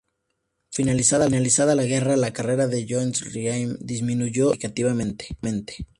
Finalizada la guerra, la carrera de Johannes Riemann disminuyó significativamente.